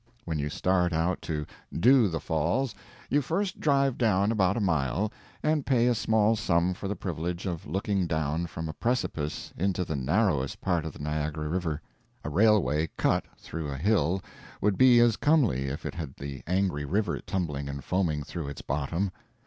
When you start out to "do" the Falls you first drive down about a mile, and pay a small sum for the privilege of looking down from a precipice into the narrowest part of the Niagara River. A railway "cut" through a hill would be as comely if it had the angry river tumbling and foaming through its bottom.